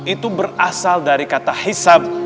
itu berasal dari kata hisab